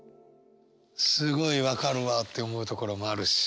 すごい分かるわって思うところもあるし。